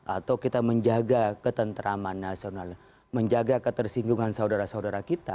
atau kita menjaga ketentraman nasional menjaga ketersinggungan saudara saudara kita